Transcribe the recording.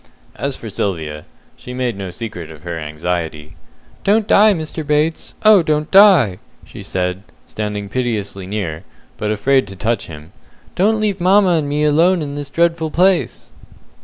As for Sylvia, she made no secret of her anxiety. "Don't die, Mr. Bates oh, don't die!" she said, standing piteously near, but afraid to touch him. "Don't leave mamma and me alone in this dreadful place!"